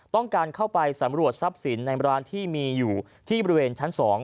ต้องการเข้าไปสำรวจทรัพย์สินในร้านที่มีอยู่ที่บริเวณชั้น๒